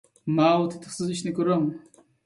ماۋۇ تېتىقسىز ئىشنى كۆرۈڭ!